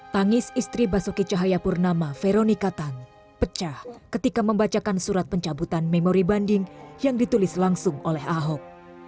tangis istri basuki cahayapurnama veronika tan pecah ketika membacakan surat pencabutan memori banding yang ditulis langsung oleh ahok